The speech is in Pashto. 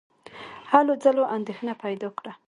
هلو ځلو اندېښنه پیدا کړه.